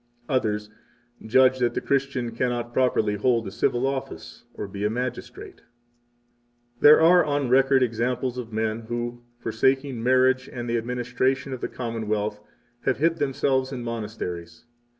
Others judge that the Christian cannot properly hold a civil office or be a magistrate. 56 There are on record examples of men who, forsaking marriage and the administration of the Commonwealth, have hid themselves in monasteries.